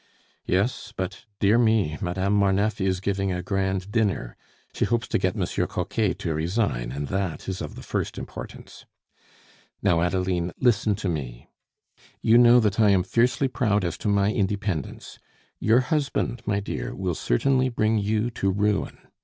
"Yes. But, dear me! Madame Marneffe is giving a grand dinner; she hopes to get Monsieur Coquet to resign, and that is of the first importance. Now, Adeline, listen to me. You know that I am fiercely proud as to my independence. Your husband, my dear, will certainly bring you to ruin.